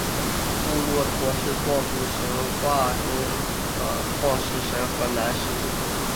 布洛陀是壮族神话中的创世大神和男始祖。